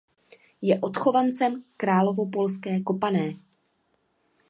Je odchovancem královopolské kopané.